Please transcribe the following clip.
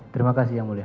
terima kasih yang mulia